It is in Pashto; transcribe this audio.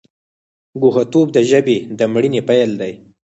ګوښه توب د ژبې د مړینې پیل دی.